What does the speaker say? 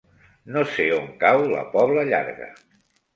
No sé on cau la Pobla Llarga.